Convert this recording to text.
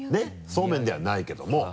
そうめんではないけども。